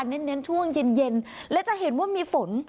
เน้นช่วงเย็นและจะเห็นว่ามีฝน